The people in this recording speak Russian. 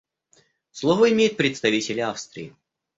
Слово имеет представитель Австрии.